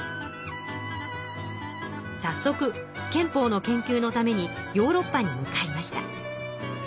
さっそく憲法の研究のためにヨーロッパに向かいました。